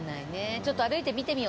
ちょっと歩いて見てみよう。